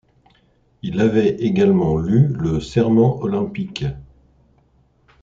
Il avait également lu le serment olympique.